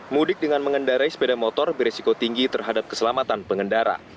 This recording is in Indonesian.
mudik dengan mengendarai sepeda motor beresiko tinggi terhadap keselamatan pengendara